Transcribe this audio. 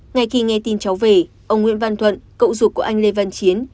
ngày khi nghe tin cháu về ông nguyễn văn thuận cậu dục của anh lê văn chiến